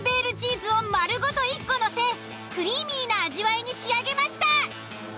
ズを丸ごと１個のせクリーミーな味わいに仕上げました。